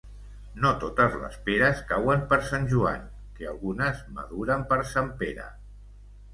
No totes les peres cauen per Sant Joan, que algunes maduren per Sant Pere.